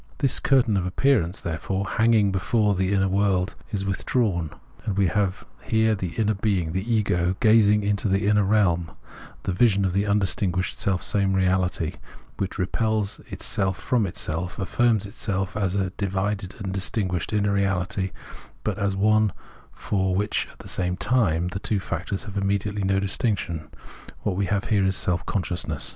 This curtain [of appear ance], therefore, hanging before the inner world is with drawn, and we have here the inner being [the ego] gazing into the inner reahn — the vision of the imdistinguished selfsame reahty, which repels itself from itself, affirms itself as a divided and distinguished inner reahty, but as one for which at the same time the two factors have immediately no distinction ; what we have here is Self consciousness.